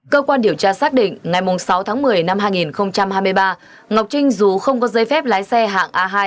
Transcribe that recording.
cơ quan điều tra xác định ngày sáu tháng một mươi năm hai nghìn hai mươi ba ngọc trinh dù không có giấy phép lái xe hạng a hai